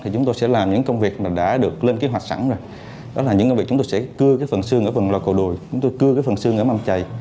chúng tôi cưa cái phần xương ở mâm chày